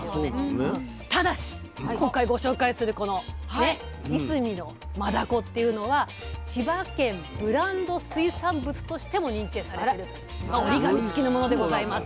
ただし今回ご紹介するこのいすみのマダコっていうのは千葉県ブランド水産物としても認定されてると折り紙付きのものでございます。